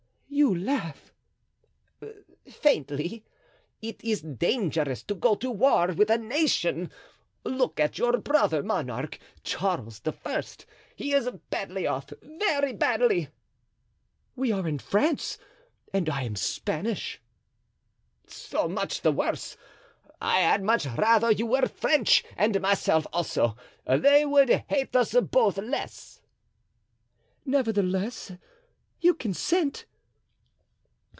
"You laugh." "Faintly. It is dangerous to go to war with a nation. Look at your brother monarch, Charles I. He is badly off, very badly." "We are in France, and I am Spanish." "So much the worse; I had much rather you were French and myself also; they would hate us both less." "Nevertheless, you consent?"